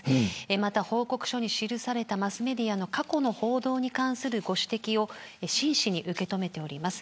また報告書に記されたマスメディアの過去の報道に関するご指摘を真摯に受け止めております。